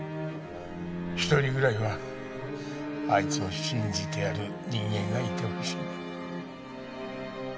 １人ぐらいはあいつを信じてやる人間がいてほしいんだ。